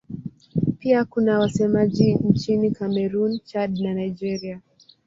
Pia kuna wasemaji nchini Kamerun, Chad na Nigeria.